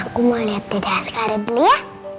mama aku mau liat deda askara dulu ya